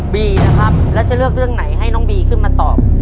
บีนะครับแล้วจะเลือกเรื่องไหนให้น้องบีขึ้นมาตอบ